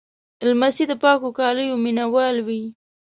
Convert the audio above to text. لمسی د پاکو کالیو مینهوال وي.